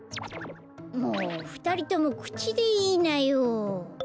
もうふたりともくちでいいなよ。